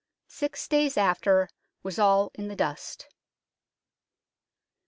Six days after was all in the dust."